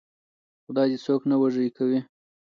خدای دې څوک نه وږي کوي.